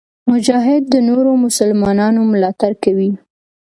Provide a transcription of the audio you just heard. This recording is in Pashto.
مجاهد د نورو مسلمانانو ملاتړ کوي.